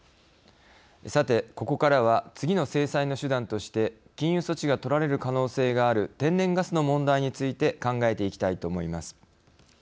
さてここからは次の制裁の手段として禁輸措置がとられる可能性がある天然ガスの問題について考えていきたいと思います。